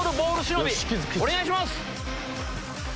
忍お願いします！